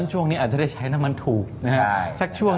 จงหลายชั่วครุ่มนอกไปค่ะ